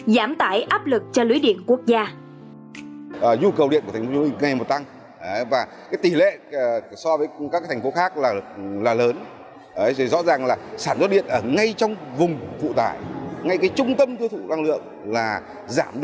giảm tải áp lực cho lưới điện quốc gia